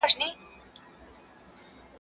کلاله، وکه خپله سياله.